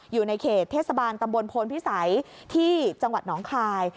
อยู่ในเขตเทศบาลตำบลพลพิสัยที่จังหวัดหนองคาย